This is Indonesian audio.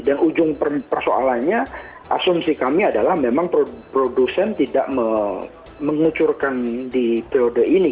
dan ujung persoalannya asumsi kami adalah memang produsen tidak mengucurkan di periode ini